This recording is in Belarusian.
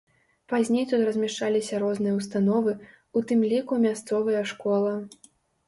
Пазней тут размяшчаліся розныя ўстановы, у тым ліку мясцовыя школа.